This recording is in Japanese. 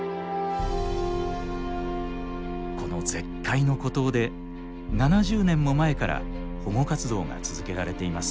この絶海の孤島で７０年も前から保護活動が続けられています。